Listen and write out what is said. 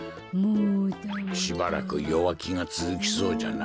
しばらく弱気がつづきそうじゃな。